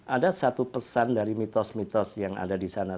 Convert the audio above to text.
ada satu pesan dari mitos mitos yang ada di sana